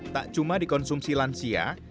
tak cuma dikonsumsi lansia